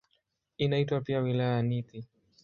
Inaitwa pia "Wilaya ya Nithi".